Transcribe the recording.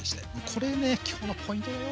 これね今日のポイントだよ。